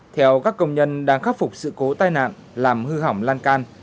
theo các công nhân đang khắc phục sự cố tai nạn làm hư hỏng lan can